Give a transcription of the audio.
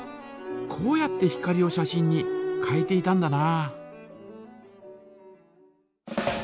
こうやって光を写真に変えていたんだな。